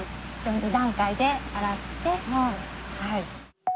２段階で洗って。